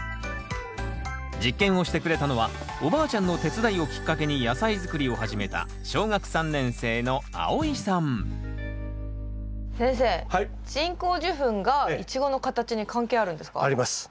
実験をしてくれたのはおばあちゃんの手伝いをきっかけに野菜作りを始めた小学３年生のあおいさん先生人工授粉がイチゴの形に関係あるんですか？あります。